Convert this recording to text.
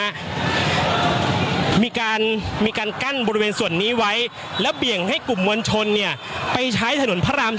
มีการมีการกั้นบริเวณส่วนนี้ไว้แล้วเบี่ยงให้กลุ่มมวลชนเนี่ยไปใช้ถนนพระราม๔